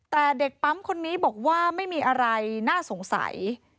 แต่เด็กปั๊มคนนี้บอกว่าไม่มีอะไรน่าสงสัย